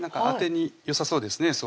あてによさそうですね